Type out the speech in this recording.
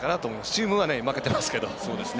チームは負けてますけど。